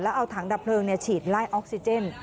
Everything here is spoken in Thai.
เอาถังดับเพลิงฉีดไล่ออกซิเจน